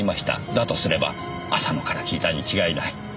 だとすれば浅野から聞いたに違いない。